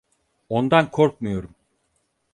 Ondan korkmuyorum.